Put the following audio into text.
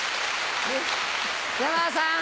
山田さん